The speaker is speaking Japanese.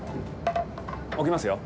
置きますよ。